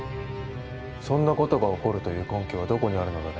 そんなことが起こるという根拠はどこにあるのだね？